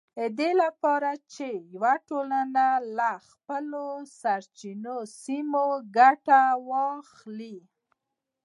د دې لپاره چې یوه ټولنه له خپلو سرچینو سمه ګټه واخلي